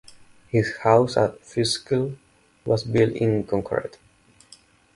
His house at Fishkill was built in concrete.